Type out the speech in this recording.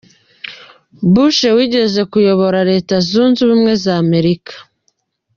Bush wigeze kuyobora Leta Zunze Ubumwe za Amerika.